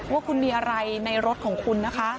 ว่าคุณมีอะไรในรถของคุณนะคะ